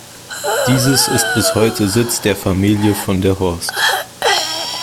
Dieses ist bis heute Sitz der Familie von der Horst.